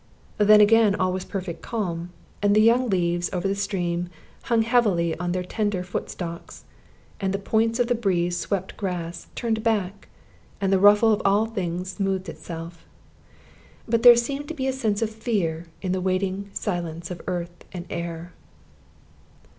Then again all was a perfect calm, and the young leaves over the stream hung heavily on their tender foot stalks, and the points of the breeze swept grass turned back, and the ruffle of all things smoothed itself. But there seemed to be a sense of fear in the waiting silence of earth and air.